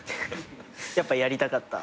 やっぱやりたかった？